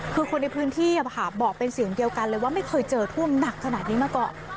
คือคนในพื้นที่บอกเป็นเสียงเดียวกันเลยว่าไม่เคยเจอท่วมหนักขนาดนี้มาก่อน